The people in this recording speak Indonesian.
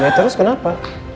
gak terus kenapa